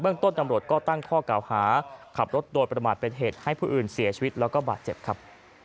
เบื้องต้นจำรวจก็ตั้งข้อกล่าวหาขับรถโดดประมาณเป็นเหตุให้ผู้อื่นเสียชีวิตและบาดเจ็บ